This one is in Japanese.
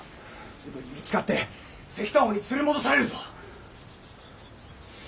すぐに見つかって石炭王に連れ戻されるぞ！